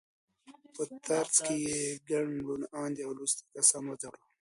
په ترڅ کې یې ګڼ روڼ اندي او لوستي کسان وځورول.